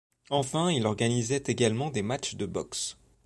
Enfin il organisait également des matchs de boxe.